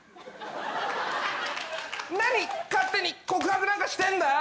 何勝手に告白なんかしてんだよ